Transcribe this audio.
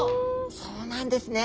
そうなんですね。